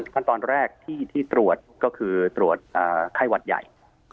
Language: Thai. ขั้นตอนแรกที่ตรวจก็คือตรวจไข้หวัดใหญ่